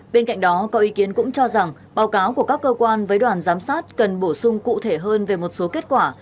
bên cạnh đó có ý kiến cũng cho rằng báo cáo của các cơ quan với đoàn giám sát cần bổ sung cụ thể hơn về một số kết quả